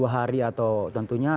dua hari atau tentunya